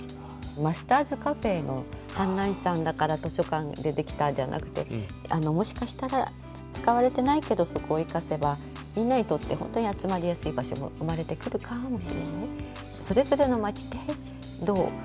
マスターズＣａｆｅの阪南市さんだから図書館でできたじゃなくてもしかしたら使われてないけどそこを生かせばみんなにとって本当に集まりやすい場所も生まれてくるかもしれない。